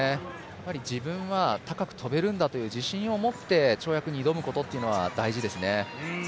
やっぱり自分は高く跳べるんだっていう自信を持って跳躍に挑むことっていうのは大事ですね。